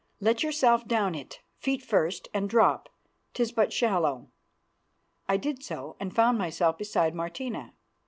Let yourself down it, feet first, and drop. 'Tis but shallow." I did so, and found myself beside Martina.